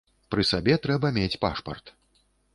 Пры сабе трэба мець пашпарт.